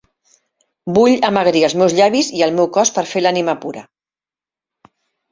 Vull amagrir els meus llavis i el meu cos per fer l’ànima pura.